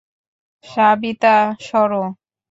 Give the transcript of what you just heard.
সাবিতা, সরো।